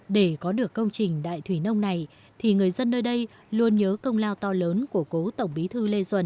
để có được công trình đại thủy nông này thì người dân nơi đây luôn nhớ công lao to lớn của cố tổng bí thư lê duẩn